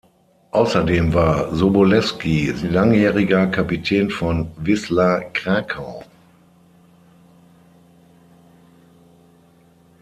Außerdem war Sobolewski langjähriger Kapitän von Wisła Krakau.